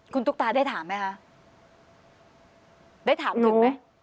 คุณตุ๊กตาได้ถามไหมคะได้ถามหนูไหม